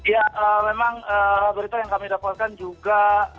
ya memang berita yang kami dapatkan juga